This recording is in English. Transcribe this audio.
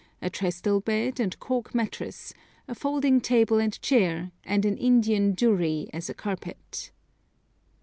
a trestle bed and cork mattress, a folding table and chair, and an Indian dhurrie as a carpet.